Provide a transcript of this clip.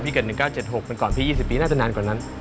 เกิด๑๙๗๖มันก่อนพี่๒๐ปีน่าจะนานกว่านั้น